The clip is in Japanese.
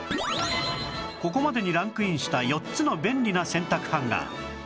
ここまでにランクインした４つの便利な洗濯ハンガー